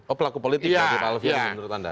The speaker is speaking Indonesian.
oh pelaku politik pak alvin menurut anda